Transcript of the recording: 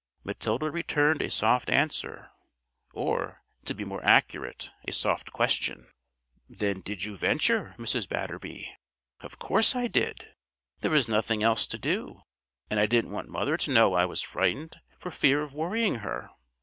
Matilda returned a soft answer or, to be more accurate, a soft question. "Then did you venture, Mrs. Batterby?" "Of course I did: there was nothing else to do; and I didn't want mother to know I was frightened for fear of worrying her.